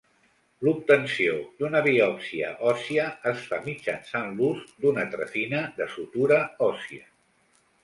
L'obtenció d'una biòpsia òssia es fa mitjançant l'ús d'una trefina de sutura òssia.